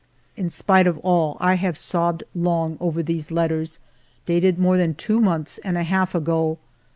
In spite of all, I have sobbed long over these letters, dated more than two months and a half ago.